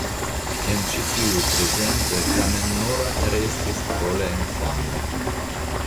En ĉi tiuj prezentoj tamen "Nora" restis pro la infanoj.